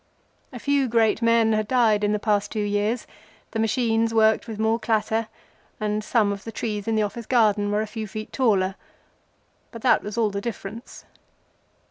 A few great men had died in the past two years, the machines worked with more clatter, and some of the trees in the Office garden were a few feet taller. But that was all the difference.